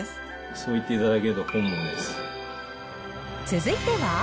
そう言っていただけると本望です。